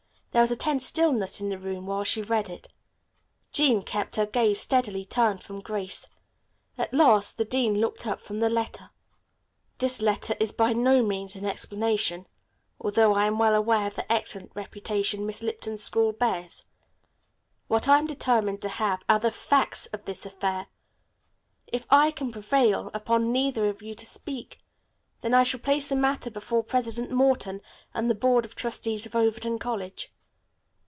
There was a tense stillness in the room while she read it. Jean kept her gaze steadily turned from Grace. At last the dean looked up from the letter. "This letter is, by no means, an explanation, although I am well aware of the excellent reputation Miss Lipton's school bears. What I am determined to have are the facts of this affair. If I can prevail upon neither of you to speak them I shall place the matter before President Morton and the Board of Trustees of Overton College."